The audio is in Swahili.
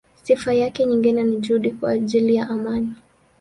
Sifa yake nyingine ni juhudi kwa ajili ya amani.